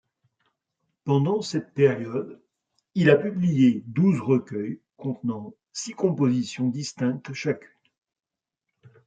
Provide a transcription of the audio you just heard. Pendant cette période, il a publié douze recueils contenant six compositions distinctes chacune.